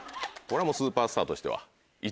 これはもうスーパースターとしては。